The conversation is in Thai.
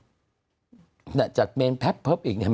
ไม่เชื่อว่าคนข้างบ้านเขาเห็นพฤติกรรมตรงนั้นก็คือไม่ได้รู้ไหม